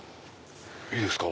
いいですか？